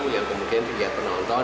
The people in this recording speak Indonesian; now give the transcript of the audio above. yang kemudian dilihat penonton